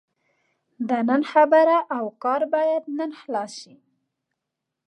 د نن خبره او کار باید نن خلاص شي.